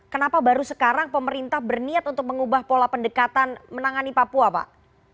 kenapa baru sekarang pemerintah berniat untuk mengubah pola pendekatan menangani papua pak